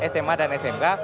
sma dan smk